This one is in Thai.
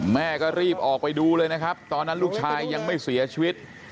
แม่ก็รีบออกไปดูเลยนะครับตอนนั้นลูกชายยังไม่เสียชีวิต